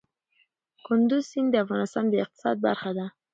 کندز سیند د افغانستان د اقتصاد برخه ده.